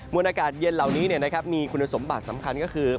วนอากาศเย็นเหล่านี้มีคุณสมบัติสำคัญก็คือ